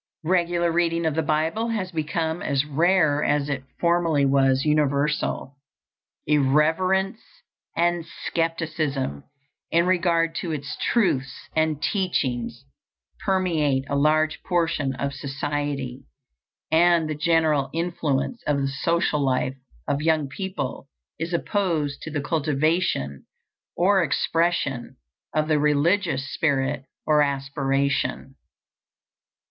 Regular reading of the Bible has become as rare as it formerly was universal. Irreverence and skepticism in regard to its truths and teachings permeate a large portion of society, and the general influence of the social life of young people is opposed to the cultivation or expression of the religious spirit or aspiration.